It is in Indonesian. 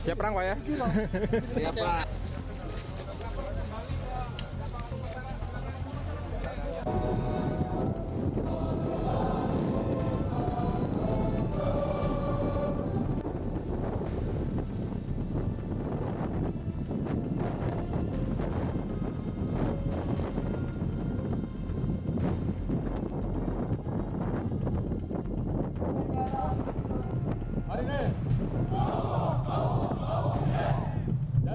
awas puluh pajam ya